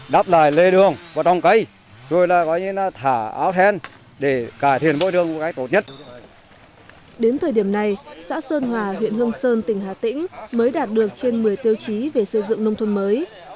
đến thời điểm này xã sơn hòa huyện hương sơn tỉnh hà tĩnh mới đạt được trên một mươi tiêu chí về xây dựng nông thôn mới